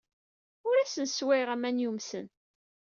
Ur asent-sswayeɣ aman yumsen.